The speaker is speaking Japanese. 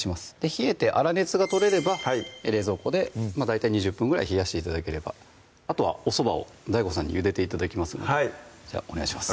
冷えて粗熱が取れれば冷蔵庫で大体２０分ぐらい冷やして頂ければあとはおそばをＤＡＩＧＯさんにゆでて頂きますのでじゃあお願いします